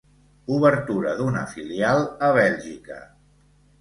Obertura d’una filial a Bèlgica.